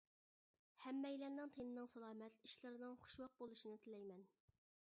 ھەممەيلەننىڭ تېنىنىڭ سالامەت، ئىشلىرىنىڭ خۇشۋاق بولۇشىنى تىلەيمەن.